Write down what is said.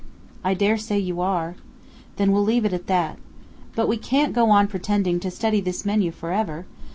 "I dare say you are." "Then we'll leave it at that. But we can't go on pretending to study this menu for ever!